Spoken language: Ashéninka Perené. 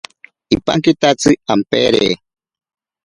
Ipankitatsi ampeere.